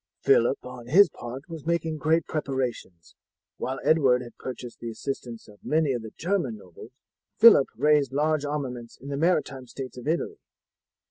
"Phillip on his part was making great preparations. While Edward had purchased the assistance of many of the German nobles Phillip raised large armaments in the maritime states of Italy.